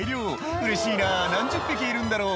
「うれしいな何十匹いるんだろう」